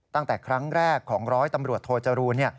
ตั้งแต่ครั้งแรกของร้อยตำรวจโทจรูล